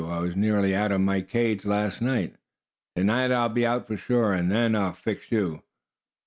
I was nearly out of my cage last night. To night I'll be out for sure, and then I'll fix you!"